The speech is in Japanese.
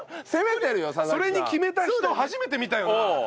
それに決めた人初めて見たよな。